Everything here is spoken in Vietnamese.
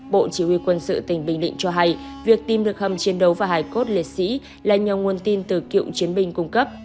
bộ chỉ huy quân sự tỉnh bình định cho hay việc tìm được hầm chiến đấu và hải cốt liệt sĩ là nhờ nguồn tin từ cựu chiến binh cung cấp